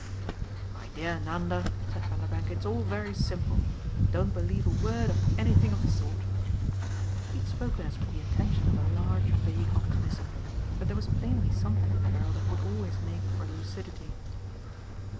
"My dear Nanda," said Vanderbank, "it's all very simple. Don't believe a word of anything of the sort." He had spoken as with the intention of a large vague optimism; but there was plainly something in the girl that would always make for lucidity.